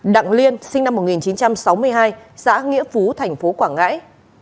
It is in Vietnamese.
ba đặng liên sinh năm một nghìn chín trăm sáu mươi hai xã nghĩa phú tp quảng ngãi